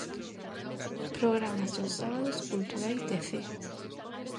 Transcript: Programas dos sábados culturais de Cee.